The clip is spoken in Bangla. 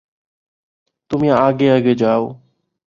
তুমি আগে আগে যাও।